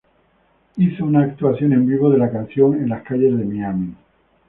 Hizo una actuación en vivo de la canción en las calles de miami.